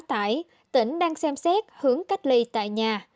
quá tải tỉnh đang xem xét hướng cách ly tại nhà